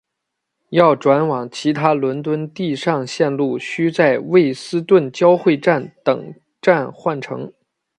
要转往其他伦敦地上线路须在卫斯顿交汇站等站换乘。